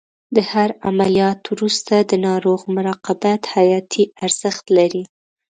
د هر عملیات وروسته د ناروغ مراقبت حیاتي ارزښت لري.